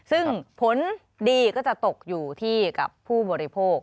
ซึ่งผลดีก็จะตกอยู่ที่กับผู้บริโภค